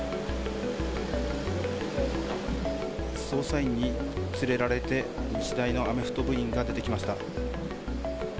捜査員に連れられて、日大のアメフト部員が出てきました。